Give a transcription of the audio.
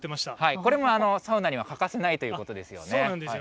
これもサウナには欠かせないということなんですよね。